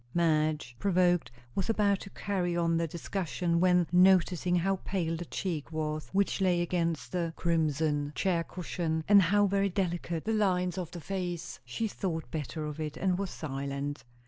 Madge, provoked, was about to carry on the discussion, when, noticing how pale the cheek was which lay against the crimson chair cushion, and how very delicate the lines of the face, she thought better of it and was silent.